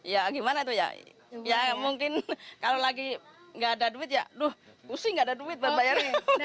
ya gimana itu ya mungkin kalau lagi nggak ada duit ya aduh pusing nggak ada duit bayarnya